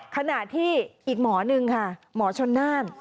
ขณะที่อีกหมอหนึ่งค่ะหมอชนน่าน